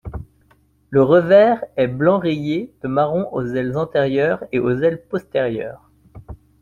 Le revers est blanc rayé de marron aux ailes antérieures et aux ailes postérieures.